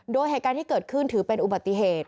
โดยเหตุการณ์ที่เกิดขึ้นถือเป็นอุบัติเหตุ